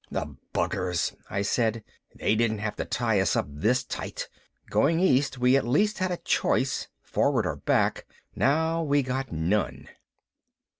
"The buggers!" I said. "They didn't have to tie us up this tight. Going east we at least had a choice forward or back. Now we got none."